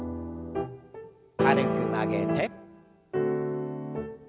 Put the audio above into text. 軽く曲げて。